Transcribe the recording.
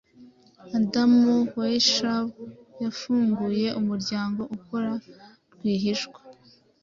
Adam Weishaup yafunguye umuryango ukora rwihishwa